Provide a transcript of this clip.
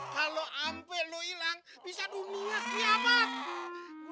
kalau ampe lu hilang bisa dunia kiamat